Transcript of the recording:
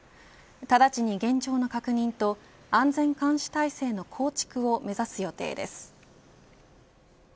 直ちに現状の確認と安全監視体制の構築を目指す予定です。